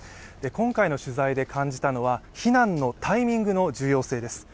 今回の取材で感じたのは避難のタイミングの重要性です。